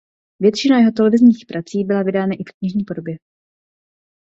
Většina jeho televizních prací byla vydána i v knižní podobě.